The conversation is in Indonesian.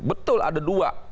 betul ada dua